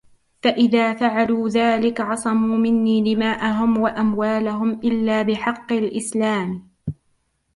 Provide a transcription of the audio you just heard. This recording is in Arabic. فَإِذَا فَعَلُوا ذَلِكَ عَصَمُوا مِنِّي دِمَاءَهُمْ وَأَمْوَالَهُمْ إِلاَّ بِحَقِّ الإِسْلامِ